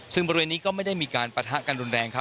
ซึ่งบริเวณนี้ก็ไม่ได้มีการปะทะกันรุนแรงครับ